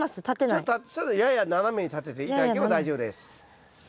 ちょっとやや斜めに立てて頂けば大丈夫です。